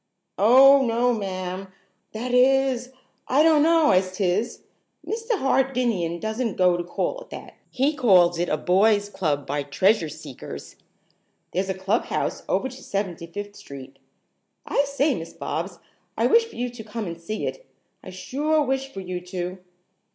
"Oh, no, ma'am; that is, I donno as 'tis. Mr. Hardinian doesn't go to call it that. He calls it a boys' club by Treasure Seekers. There's a clubhouse over to Seventy fifth Street. I say, Miss Bobs, I wish for you to come and see it. I sure wish for you to."